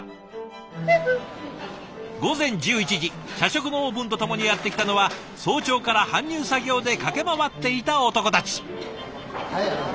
社食のオープンとともにやって来たのは早朝から搬入作業で駆け回っていた男たち。